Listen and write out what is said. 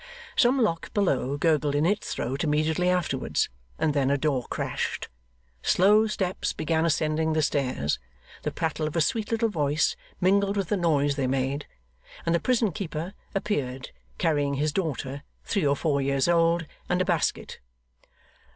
Some lock below gurgled in its throat immediately afterwards, and then a door crashed. Slow steps began ascending the stairs; the prattle of a sweet little voice mingled with the noise they made; and the prison keeper appeared carrying his daughter, three or four years old, and a basket.